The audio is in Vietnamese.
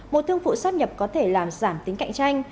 một thương vụ sát nhập có thể làm giảm tính cạnh tranh